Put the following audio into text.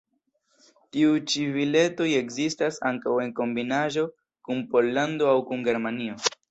Tiuj ĉi biletoj ekzistas ankaŭ en kombinaĵo kun Pollando aŭ kun Germanio.